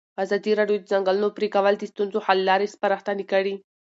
ازادي راډیو د د ځنګلونو پرېکول د ستونزو حل لارې سپارښتنې کړي.